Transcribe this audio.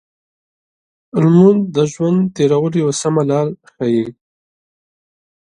لمونځ د ژوند تېرولو یو سمه لار ښيي.